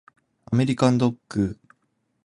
アメリカンドッグ